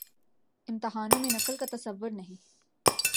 امتحانوں میں نقل کا تصور نہیں۔